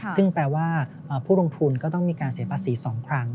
ซึ่งแปลว่าผู้ลงทุนก็ต้องมีการเสียภาษี๒ครั้ง